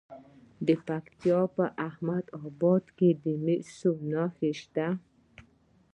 د پکتیا په احمد اباد کې د مسو نښې شته.